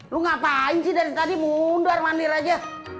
lu ngapain sih dari tadi mundur mandir aja